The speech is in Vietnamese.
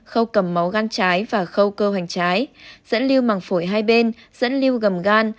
khâu cầm máu gan trái và khâu cơ hoành trái dẫn lưu màng phổi hai bên dẫn lưu gầm gan